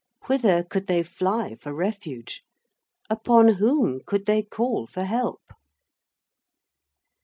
Whither could they fly for refuge? Upon whom could they call for help?